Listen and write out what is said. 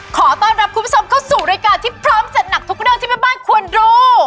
ขอต้อนรับคุณผู้ชมเข้าสู่รายการที่พร้อมจัดหนักทุกเรื่องที่แม่บ้านควรรู้